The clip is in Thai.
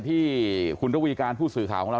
ที่คุณระวีการผู้สื่อข่าวของเรา